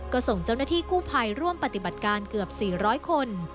ก็ส่งเจ้าหน้าที่กู้ภัยร่วมปฏิบัติการเกือบ๔๐๐คน